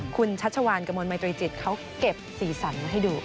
คุณชัชวานกระมวลมัยตรีจิตเขาเก็บสีสันมาให้ดู